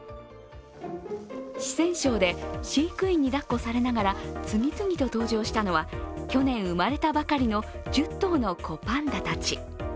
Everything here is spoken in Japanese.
四川省で飼育員にだっこされながら次々と登場したのは去年生まれたばかりの１０頭の子パンダたち。